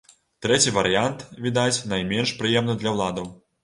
Трэці варыянт, відаць, найменш прыемны для ўладаў.